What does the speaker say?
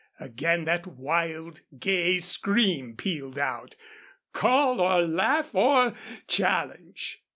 Again that wild, gay scream pealed out call or laugh or challenge.